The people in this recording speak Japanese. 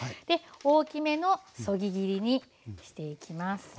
で大きめのそぎ切りにしていきます。